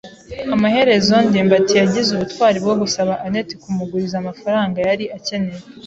Amaherezo ndimbati yagize ubutwari bwo gusaba anet kumuguriza amafaranga yari akeneye.